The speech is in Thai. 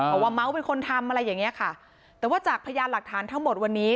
เพราะว่าเมาส์เป็นคนทำอะไรอย่างเงี้ยค่ะแต่ว่าจากพยานหลักฐานทั้งหมดวันนี้